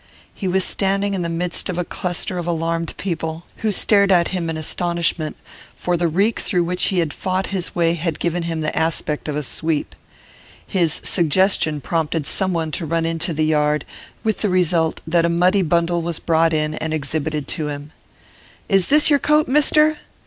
He was standing in the midst of a cluster of alarmed people, who stared at him in astonishment, for the reek through which he had fought his way had given him the aspect of a sweep. His suggestion prompted someone to run into the yard, with the result that a muddy bundle was brought in and exhibited to him. 'Is this your coat, Mister?